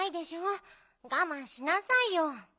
がまんしなさいよ。